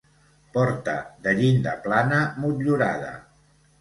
Porta de llinda plana motllurada.